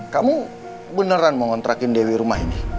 kamu beneran mau ngontrakin dewi rumah ini